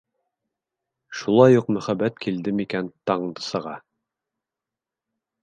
Шулай уҡ мөхәббәт килде микән Таңдысаға?!